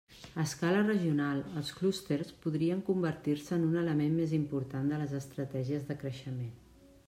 A escala regional, els clústers podrien convertir-se en un element més important de les estratègies de creixement.